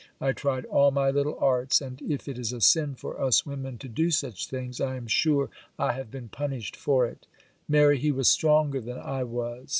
I tried all my little arts—and if it is a sin for us women to do such things, I am sure I have been punished for it. Mary, he was stronger than I was.